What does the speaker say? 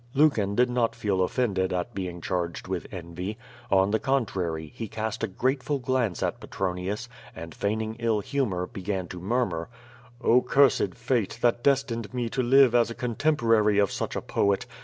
Lucan did not feel offended at being charged with envy. On the contrary, he cast a grateful glance at Petronius, and feigning ill humor, began to murmur: "Oh cursed fate, that destined me to live as a contemporary of such a poet.